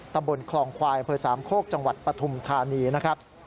ตำบลคลองควายอำเภอสามโคกจังหวัดปฐุมธานีนะครับ